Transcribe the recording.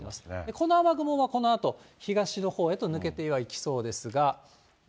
この雨雲がこのあと、東の方へと抜けてはいきそうですが。